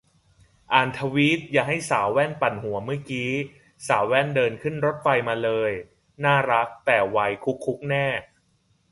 อ่านทวีตอย่าให้สาวแว่นปั่นหัวเมื่อกี๊ สาวแว่นเดินขึ้นรถไฟฟ้ามาเลย น่ารัก แต่วัยคุกคุกแน่